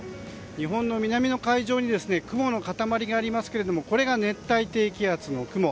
日本の南の海上に雲の塊がありますがこれが熱帯低気圧の雲。